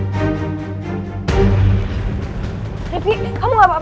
sini aku bandingin ya